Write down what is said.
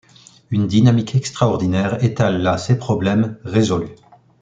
Une dynamique extraordinaire étale là ses problèmes, résolus.